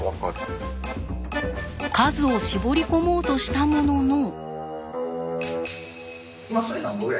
数を絞り込もうとしたものの。